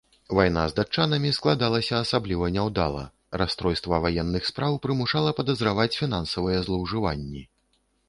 Вайна з датчанамі складалася асабліва няўдала, расстройства ваенных спраў прымушала падазраваць фінансавыя злоўжыванні.